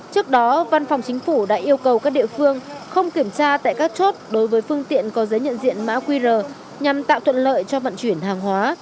trước đó văn phòng chính phủ đã yêu cầu các địa phương không kiểm tra tại các chốt đối với phương tiện có giấy nhận diện mã qr nhằm tạo thuận lợi cho vận chuyển hàng hóa